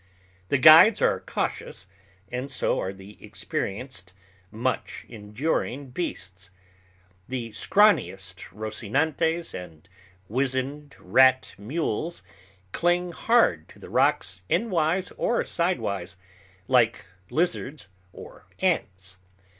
The guides are cautious, and so are the experienced, much enduring beasts. The scrawniest Rosinantes and wizened rat mules cling hard to the rocks endwise or sidewise, like lizards or ants.